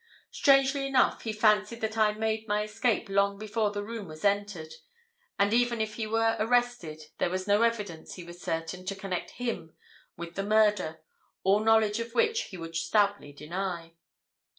Strangely enough, he fancied that I had made my escape long before the room was entered; and, even if he were arrested, there was no evidence, he was certain, to connect him with the murder, all knowledge of which he would stoutly deny.